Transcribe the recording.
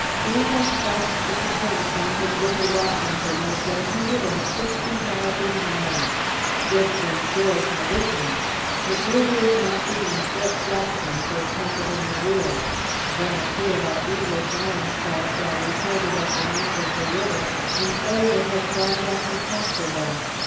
Lee has crossed the Potomac on his way to Washington with one hundred and sixty thousand men. Gibbes and George are with him. Magruder is marching on Fort Jackson, to attack it in the rear. One or two of our English ironclads are reported at the mouth of the river, and Farragut has gone down to capture them.